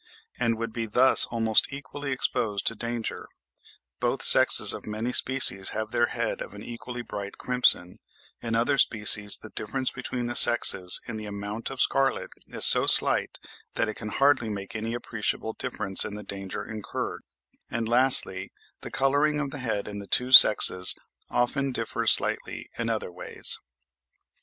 and would be thus almost equally exposed to danger; both sexes of many species have their heads of an equally bright crimson; in other species the difference between the sexes in the amount of scarlet is so slight that it can hardly make any appreciable difference in the danger incurred; and lastly, the colouring of the head in the two sexes often differs slightly in other ways.